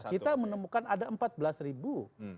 kita menemukan ada empat belas ribu